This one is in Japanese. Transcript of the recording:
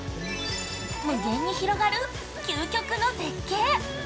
◆無限に広がる究極の絶景。